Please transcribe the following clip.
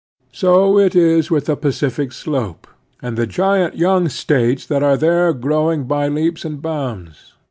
So it is with the Pacific slope, and the giant young States that are there growing by leaps and bounds.